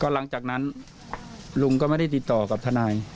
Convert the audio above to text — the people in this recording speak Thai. หลังจากนั้นลุงก็ไม่ได้ติดต่อกับทนาย